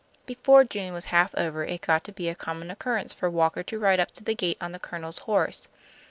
Before June was half over it got to be a common occurrence for Walker to ride up to the gate on the Colonel's horse.